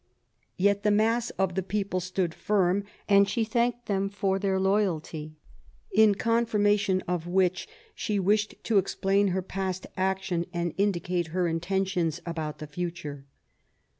Yet the mass of the people stood firm, and she thanked them for their loyalty, in confirmation of which she wished to explain her past action and indicate her intentions about the future.